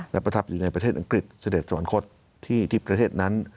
และประทับอยู่ในประเทศอังกฤษเสด็จสวรรคตที่ประเทศนั้น